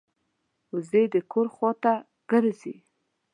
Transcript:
وزې د کور خوا ته ګرځي